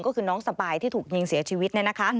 ก็คือน้องสบายที่ถูกยิงเสียชีวิต